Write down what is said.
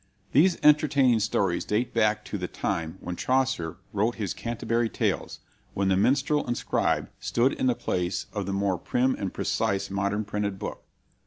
These entertaining stories date back to the time when Chaucer wrote his "Canterbury Tales," when the minstrel and scribe stood in the place of the more prim and precise modern printed book.